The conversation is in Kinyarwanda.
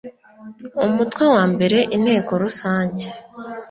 umutwe wa mbere inteko rusange